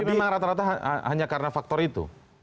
tapi memang rata rata hanya karena faktor itu